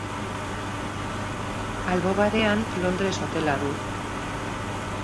Albo barean Londres hotela du.